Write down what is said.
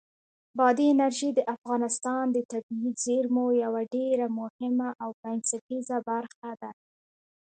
بادي انرژي د افغانستان د طبیعي زیرمو یوه ډېره مهمه او بنسټیزه برخه ده.